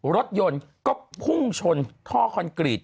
รถยนต์ก็พุ่งชนท่อคอนกรีต